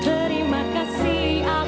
terima kasih mum